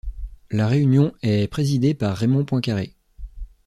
La réunion est présidée par Raymond Poincaré.